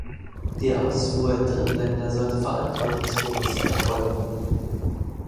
Die Ausfuhr in Drittländer sollte verantwortungsbewusst erfolgen.